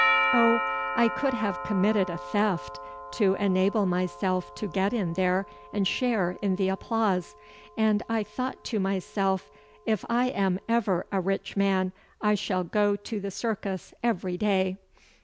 Oh, I could have committed a theft to enable myself to get in there and share in the applause! And I thought to myself, if I am ever a rich man I shall go to the Circus every day.